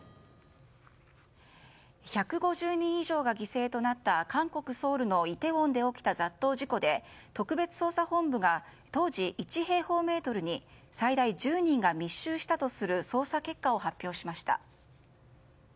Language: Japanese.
１５０人以上が犠牲となった韓国ソウルのイテウォンで起きた雑踏事故で特別捜査本部が当時、１平方メートルに最大１０人が密集したとする捜査結果を発表しました。